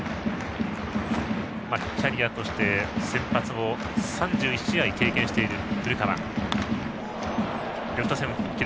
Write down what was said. キャリアとして先発を３１試合経験している古川。